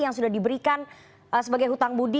yang sudah diberikan sebagai hutang budi